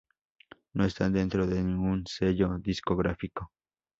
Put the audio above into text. No están dentro de ningún sello discográfico.